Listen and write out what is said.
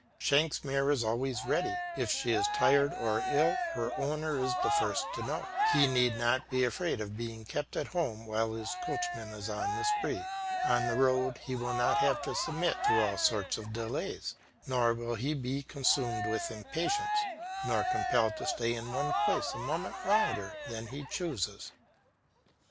Shanks' mare is always ready; if she is tired or ill, her owner is the first to know it; he need not be afraid of being kept at home while his coachman is on the spree; on the road he will not have to submit to all sorts of delays, nor will he be consumed with impatience, nor compelled to stay in one place a moment longer than he chooses.